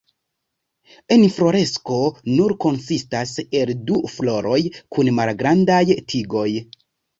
Infloresko nur konsistas el du floroj kun malgrandaj tigoj.